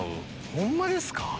ホンマですか？